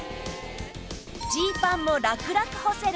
ジーパンもラクラク干せる